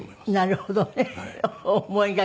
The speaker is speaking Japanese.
なるほどね。